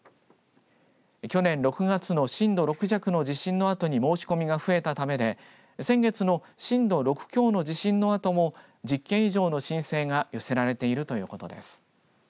去年６月の震度６弱の地震のあとに申し込みが増えたためで先月の震度６強の地震のあとも１０件以上の申請が寄せられているということです。